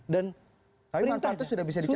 tapi manfaatnya sudah bisa dicapai